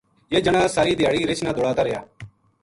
یہ جنا ساری دھیاڑی رِچھ نا دوڑاتا ریہا